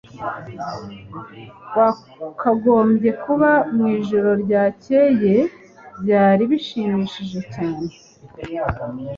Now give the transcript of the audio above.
Wakagombye kuba mwijoro ryakeye. Byari bishimishije cyane.